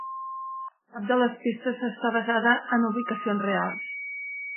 Cap de les pistes està basada en ubicacions reals.